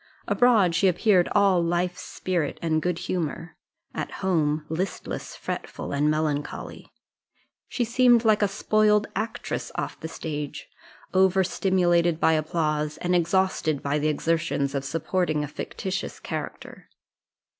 Abroad she appeared all life, spirit, and good humour at home, listless, fretful, and melancholy; she seemed like a spoiled actress off the stage, over stimulated by applause, and exhausted by the exertions of supporting a fictitious character.